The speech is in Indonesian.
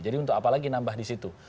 jadi untuk apa lagi nambah disitu